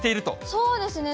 そうですね。